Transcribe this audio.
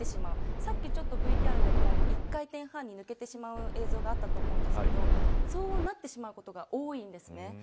さっきＶＴＲでも１回転半に抜けてしまう映像があったと思いますがそうなってしまうことが多いんです。